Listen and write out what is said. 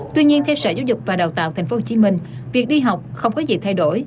tuy nhiên theo sở giáo dục và đào tạo tp hcm việc đi học không có gì thay đổi